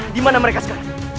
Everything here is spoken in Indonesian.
dimana mereka sekarang